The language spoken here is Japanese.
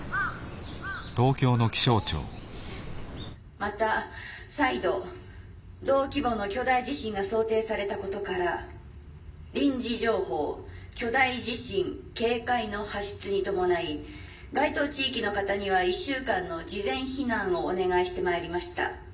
「また再度同規模の巨大地震が想定されたことから臨時情報巨大地震警戒の発出に伴い該当地域の方には１週間の事前避難をお願いしてまいりました。